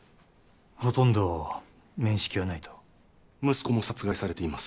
ほとんど面識はないと息子も殺害されています